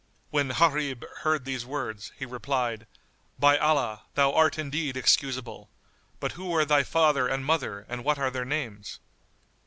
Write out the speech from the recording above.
When Gharib heard these words, he replied, "By Allah, thou art indeed excusable! But who were thy father and mother and what are their names?"